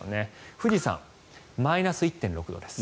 富士山、マイナス１．６度です。